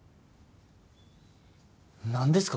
何ですか？